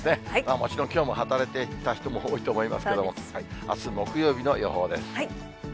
もちろんきょうも働いていた人も多いと思いますけども、あす木曜日の予報です。